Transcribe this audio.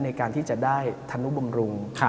ในการที่จะได้ธนุบำรุง